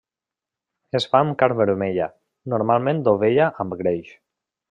Es fa amb carn vermella, normalment d'ovella amb greix.